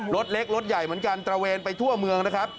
รถเล็กรถใหญ่เหมือนกันตระเวนไปทั่วเมืองนะครับ